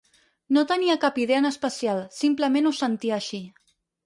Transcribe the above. No tenia cap idea en especial, simplement ho sentia així.